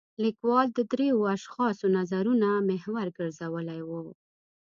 لیکوال د درېو اشخاصو نظرونه محور ګرځولی و.